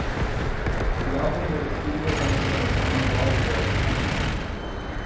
The album was a studio rendering of Money's live show at the time.